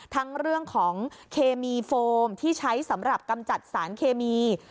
ทั้งเรื่องของเคมีโฟมที่ใช้สำหรับกำจัดสารเคมี